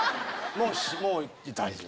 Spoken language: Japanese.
もう大丈夫です。